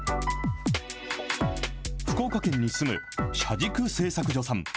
福岡県に住む、車軸制作所さん。